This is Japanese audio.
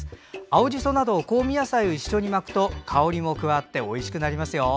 青じそなど香味野菜を一緒に巻くと香りも加わっておいしくなりますよ。